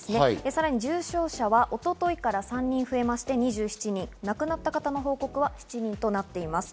さらに重症者は一昨日から３人増えまして２７人、亡くなった方の報告は７人となっています。